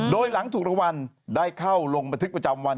โดยหลังถูกรางวัลได้เข้าลงบันทึกประจำวัน